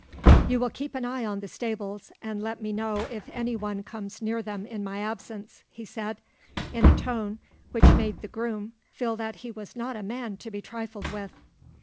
"You will keep an eye on the stables, and let me know if any one comes near them in my absence," he said, in a tone which made the groom feel that he was not a man to be trifled with.